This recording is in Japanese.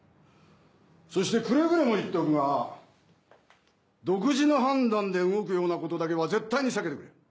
そしてくれぐれも言っておくが独自の判断で動くようなことだけは絶対に避けてくれ。